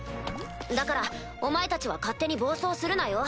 だからお前たちは勝手に暴走するなよ？